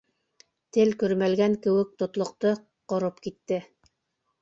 Тел көрмәлгән кеүек тотлоҡто, ҡороп китте.